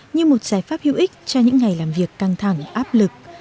như một giải pháp hữu ích cho những ngày làm việc căng thẳng áp lực